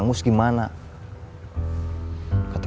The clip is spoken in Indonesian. kang mus terlalu lama jadi bodi kakang bahar